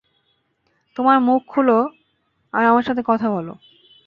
তোমার মুখ খুলো আর আমার সাথে কথা বলো।